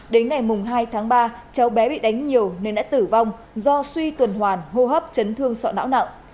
đến ngày hai tháng ba cháu bé bị đánh nhiều nên đã tử vong do suy tuần hoàn hô hấp chấn thương sọ não nặng